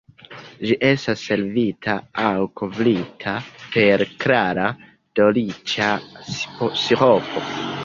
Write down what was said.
Ĝi estas servita aŭ kovrita per klara dolĉa siropo.